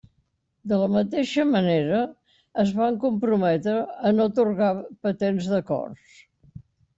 De la mateixa manera, es van comprometre a no atorgar patents de cors.